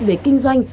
về kinh doanh